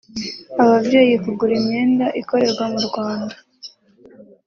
ababyeyi kugura imyenda ikorerwa mu Rwanda